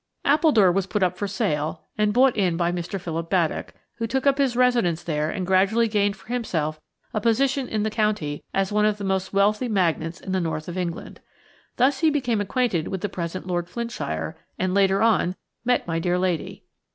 Appledore was put up for sale and bought in by Mr. Philip Baddock, who took up his residence there and gradually gained for himself a position in the county as one of the most wealthy magnates in the north of England. Thus he became acquainted with the present Lord Flintshire, and, later on, met my dear lady.